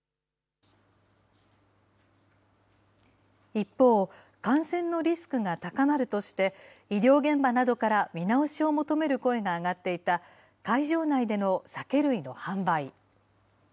一方、感染のリスクが高まるとして、医療現場などから見直しを求める声が上がっていた会場内での酒類の販売。